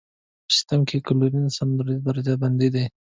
په سیسټم کې کلوین ستندرده درجه بندي ده.